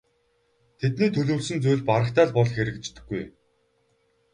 Тэдний төлөвлөсөн зүйл барагтай л бол хэрэгждэггүй.